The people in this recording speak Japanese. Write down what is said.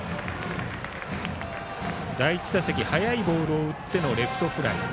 第１打席、速いボールを打ってのレフトフライ。